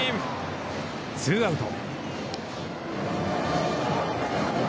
ツーアウト。